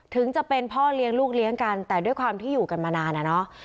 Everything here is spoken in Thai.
ถึงจะเป็นพ่อเลี้ยงลูกเลี้ยงกันแต่ด้วยความที่อยู่กันมานานอะเนาะ